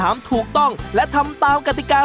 มาดูก่อนมาดูวินาทีก่อน